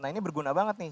nah ini berguna banget nih